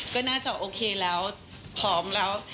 ก็น่าจะโอเคแล้วพร้อมแล้ว